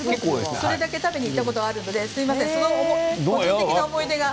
それだけ食べに行ったことがあるので、その思い出が。